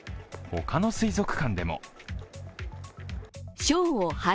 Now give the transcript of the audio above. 他の水族館でも。